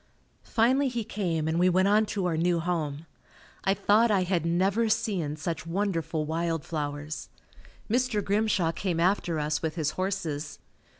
Finally he came and we went on to our new home. I thought I had never seen such wonderful wild flowers. Mr. Grimshaw came after us with his horses.